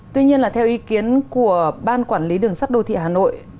tuy nhiên là theo ý kiến của ban quản lý đường sắt đô thị hà nội